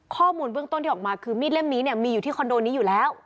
ข้อมูลเบื้องต้นที่ออกมาคือมีดเล่มนี้เนี่ยมีอยู่ที่คอนโดนี้อยู่แล้ว